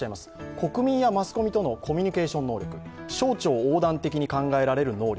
国民やマスコミとのコミュニケーション能力、省庁を横断的に考えられる能力